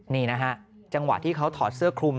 นี่นะฮะจังหวะที่เขาถอดเสื้อคลุม